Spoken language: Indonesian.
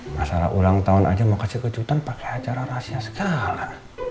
masalah ulang tahun aja mau kasih kejutan pakai acara rahasia segala